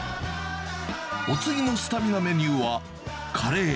お次のスタミナメニューは、カレー。